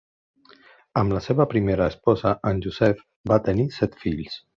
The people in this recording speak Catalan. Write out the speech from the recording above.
Amb la seva primera esposa, en Joseph va tenir set fills.